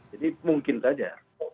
jadi mungkin saja